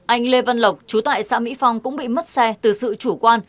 anh lê văn lộc chú tại xã mỹ phong cũng bị mất xe từ sự chủ quan